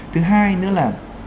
thứ hai nữa là